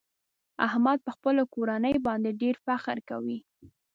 احمد په خپله کورنۍ باندې ډېر فخر کوي.